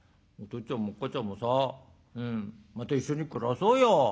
っつぁんもおっかちゃんもさまた一緒に暮らそうよ。